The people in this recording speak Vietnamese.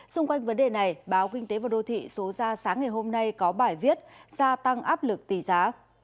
xung quanh vấn đề này báo kinh tế và đô thị số ra sáng ngày hôm nay có bài viết gia tăng áp lực tỷ giá